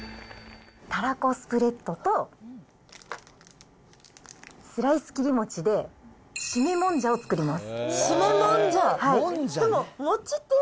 たらこスプレッドとスライス切り餅で、締めもんじゃを作ります。